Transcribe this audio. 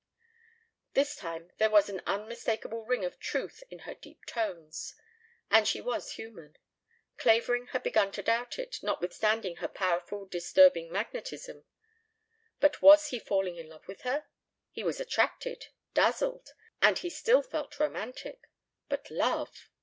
This time there was an unmistakable ring of truth in her deep tones. And she was human. Clavering had begun to doubt it, notwithstanding her powerful disturbing magnetism. But was he falling in love with her? He was attracted, dazzled, and he still felt romantic. But love!